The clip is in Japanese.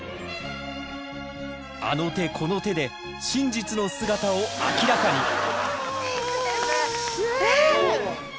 あの手この手で真実の姿を明らかに！